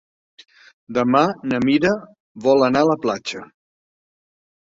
Demà na Mira vol anar a la platja.